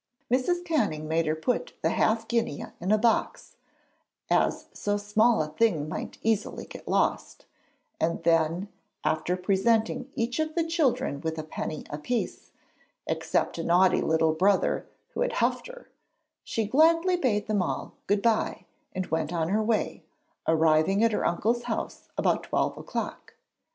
Mrs. Canning made her put the half guinea in a box, as so small a thing might easily get lost, and then, after presenting each of the children with a penny a piece, except a naughty little brother who had 'huffed her,' she gaily bade them all good bye and went her way, arriving at her uncle's house about twelve o'clock.